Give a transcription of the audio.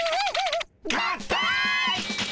合体！